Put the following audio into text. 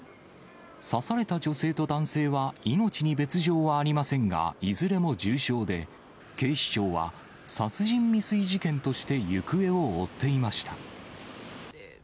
刺された女性と男性は命に別状はありませんが、いずれも重傷で、警視庁は、殺人未遂事件として行方を追っていました。